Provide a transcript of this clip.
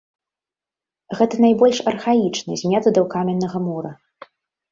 Гэта найбольш архаічны з метадаў каменнага мура.